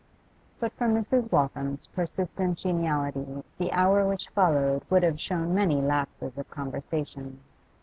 But for Mrs. Waltham's persistent geniality the hour which followed would have shown many lapses of conversation.